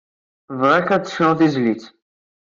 Bɣiɣ-k ad d-tecnuḍ tizlit.